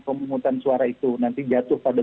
pemungutan suara itu nanti jatuh pada